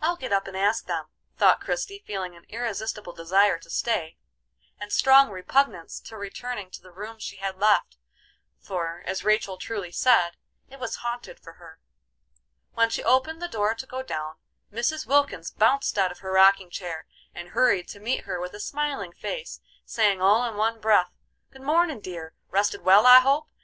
I'll get up and ask them," thought Christie, feeling an irresistible desire to stay, and strong repugnance to returning to the room she had left, for, as Rachel truly said, it was haunted for her. When she opened the door to go down, Mrs. Wilkins bounced out of her rocking chair and hurried to meet her with a smiling face, saying all in one breath: "Good mornin', dear! Rested well, I hope?